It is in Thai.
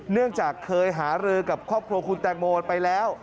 เนื่องจากเคยหารือกับครอบครัวคุณแตงโมไปแล้ว